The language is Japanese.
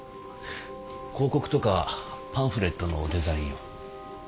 広告とかパンフレットのデザインを。